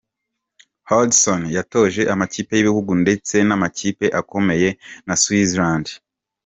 Hodgson yatoje amakipe y’ibihugu ndetse n’amakipe akomeye nka Switzerland.